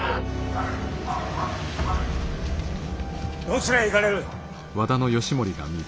どちらへ行かれる。